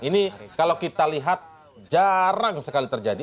ini kalau kita lihat jarang sekali terjadi